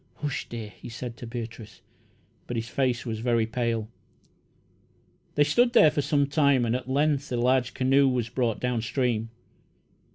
"Hush, dear!" he said to Beatrice, but his face was very pale. They stood there for some time, and at length a large canoe was brought down stream.